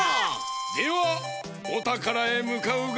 ではおたからへむかうがよい！